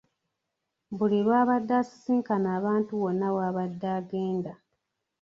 Buli lw'abadde asisinkana abantu wonna w'abadde agenda